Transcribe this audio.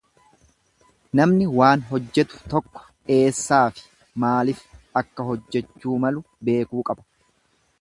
Namni waan hojjetu tokko eessaafi maalif akka hojjechuu malu beekuu qaba.